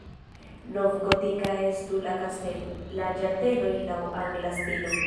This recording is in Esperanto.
Novgotika estu la kastelo, la ĝardenoj laŭ angla stilo.